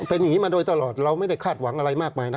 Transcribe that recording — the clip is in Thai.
เป็นอย่างนี้มาโดยตลอดเราไม่ได้คาดหวังอะไรมากมายนะ